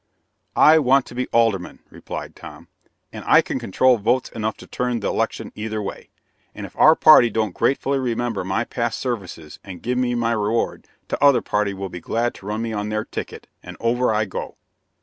"I want to be Alderman!" replied Tom, "and I can control votes enough to turn the 'lection either way; and if our party don't gratefully remember my past services and give me my reward, t'other party will be glad to run me on their ticket, and over I go."